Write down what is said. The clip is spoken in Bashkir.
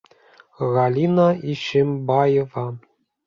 Галина Ишимбаева